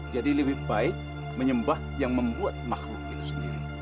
jadi lebih baik menyembah yang membuat makhluk itu sendiri